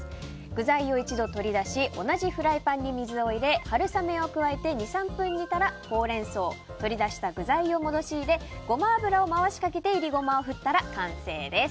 具材を一度取り出し同じフライパンに水を入れ春雨を加えて２３分煮たらホウレンソウ取り出した具材を戻し入れゴマ油を回しかけていりゴマを振ったら完成です。